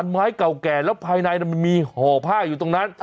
ไม้เก่าแก่แล้วภายในมันมีห่อผ้าอยู่ตรงนั้น